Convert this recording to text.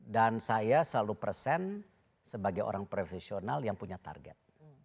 dan saya selalu present sebagai orang profesional yang punya target